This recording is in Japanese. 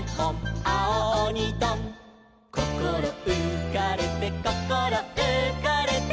「こころうかれてこころうかれて」